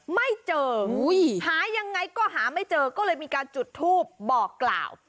ไม่เจอหายังไงก็หาไม่เจอก็เลยมีการจุดทูปบอกกล่าว